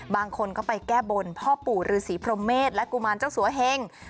บางคนก็ไปแก้บนพ่อปู่ฤษีพรมเมษและกุมารเจ้าสัวเฮง